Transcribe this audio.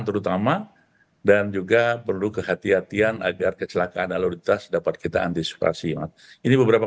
terutama dan juga perlu kehatian agar kecelakaan lalu lintas dapat kita antisipasi ini beberapa